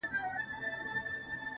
دغه سُر خالقه دغه تال کي کړې بدل.